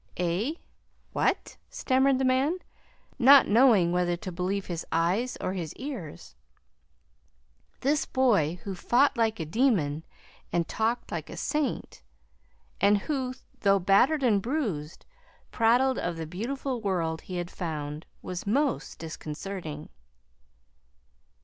"Eh? What?" stammered the man, not knowing whether to believe his eyes, or his ears. This boy who fought like a demon and talked like a saint, and who, though battered and bruised, prattled of the "beautiful world" he had found, was most disconcerting.